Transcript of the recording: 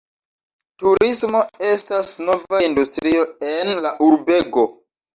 Turismo estas nova industrio en la urbego.